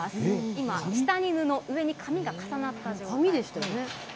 今、下に布、上に紙が重なった状態です。